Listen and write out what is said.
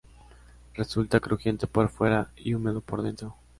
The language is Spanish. Resulta crujiente por fuera y húmedo por dentro.